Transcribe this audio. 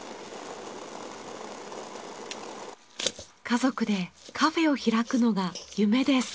家族でカフェを開くのが夢です。